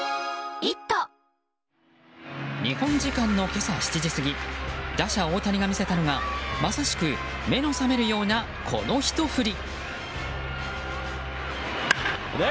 日本時間の今朝７時過ぎ打者・大谷が見せたのがまさしく目の覚めるようなこのひと振り。